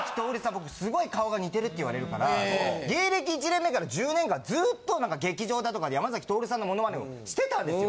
僕すごい顔が似てるって言われるから芸歴１年目から１０年間ずっと劇場だとかで山咲トオルさんのものまねをしてたんですよ。